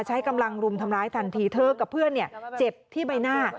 ใช้กำลังรุมทำร้ายทันทีเธอกับเพื่อนเนี่ยเจ็บที่ใบหน้า